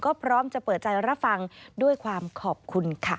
ก็พร้อมจะเปิดใจรับฟังด้วยความขอบคุณค่ะ